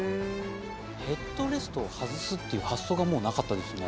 ヘッドレストを外すっていう発想がもうなかったですね。